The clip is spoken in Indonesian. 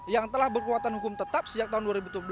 yang telah berkuatan hukum tetap sejak tahun dua ribu tujuh belas